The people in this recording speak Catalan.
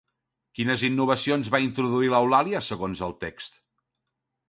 Quines innovacions va introduir l'Eulàlia segons el text?